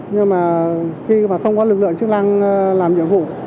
nhưng mà khi mà không có lực lượng chiếc lăng làm nhiệm vụ